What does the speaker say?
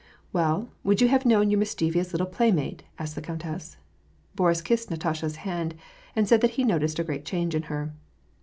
" Well, would you have known your mischievous little play mate ?" asked the countess. Boris kissed Natasha's hand, and said that he noticed a great change in her.